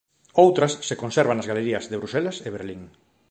Outras se conservan nas galerías de Bruxelas e Berlín.